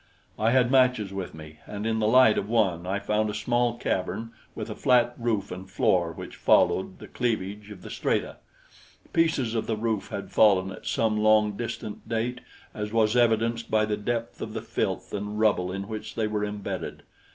I had matches with me, and in the light of one I found a small cavern with a flat roof and floor which followed the cleavage of the strata. Pieces of the roof had fallen at some long distant date, as was evidenced by the depth of the filth and rubble in which they were embedded.